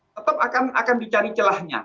tetap akan dicari celahnya